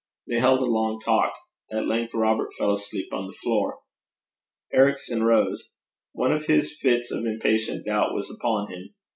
They held a long talk. At length Robert fell asleep on the floor. Ericson rose. One of his fits of impatient doubt was upon him.